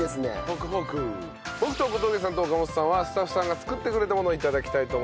僕と小峠さんと岡夲さんはスタッフさんが作ってくれたものを頂きたいと思います。